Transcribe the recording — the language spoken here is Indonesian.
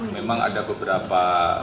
memang ada beberapa